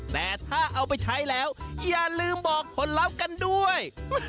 แต่ถ้าเอาไปใช้แล้วอย่าลืมบอกผลลัพธ์กันด้วย